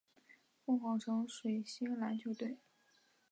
凤凰城水星篮球队。